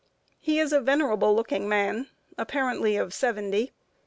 He is a venerable looking man, apparently of seventy.